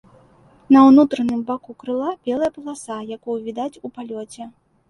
На ўнутраным баку крыла белая паласа, якую відаць у палёце.